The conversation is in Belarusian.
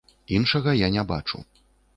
Іншага я не бачу.